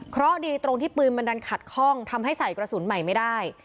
เพราะดีตรงที่กระบอกปืนมันนั้นขัดคล่องทำให้ใส่กระสุนไม่ได้